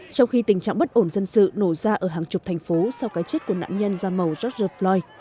trong khi tình trạng bất ổn dân sự nổ ra ở hàng chục thành phố sau cái chết của nạn nhân da màu george floyd